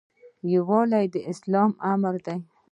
یووالی د اسلام امر دی